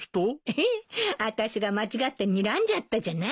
あたしが間違ってにらんじゃったじゃない。